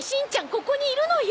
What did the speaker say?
ここにいるのよ？